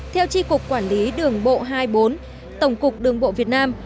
theo tri cục quản lý đường bộ hai mươi bốn tổng cục đường bộ việt nam